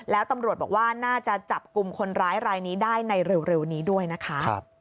แล้วตำรวจบอกว่าน่าจะจับกลุ่มคนร้ายรายนี้ได้ในเร็วนี้ด้วยนะคะ